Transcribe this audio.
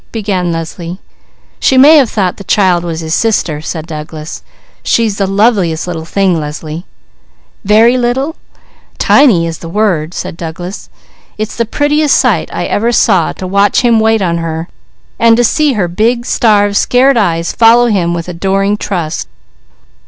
began Leslie. "She may have thought the child was his sister," said Douglas. "She's the loveliest little thing, Leslie!" "Very little?" asked Leslie. "Tiny is the word," said Douglas. "It's the prettiest sight I ever saw to watch him wait on her, and to see her big, starved, scared eyes follow him with adoring trust."